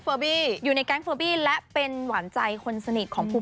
ปลอดภัยยังไงยังไงลองลองรับภาพพี่โดนเพนก